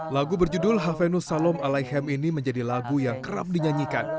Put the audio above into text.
lagu berjudul havenus salom alaihem ini menjadi lagu yang kerap dinyanyikan